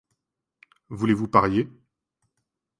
-Voulez-vous parier !